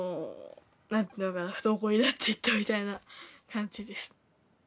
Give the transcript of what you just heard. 何ていうのかな不登校になっていったみたいな感じです。